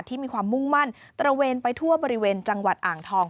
ที่มีความมุ่งมั่นตระเวนไปทั่วบริเวณจังหวัดอ่างทอง